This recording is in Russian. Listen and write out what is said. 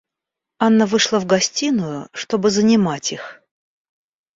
Анна вышла в гостиную, чтобы занимать их.